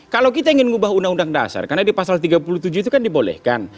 kalau kita ingin mengubah undang undang dasar karena di pasal tiga puluh tujuh itu kan dibolehkan